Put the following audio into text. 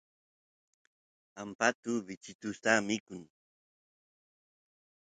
ampatu bichusta mikun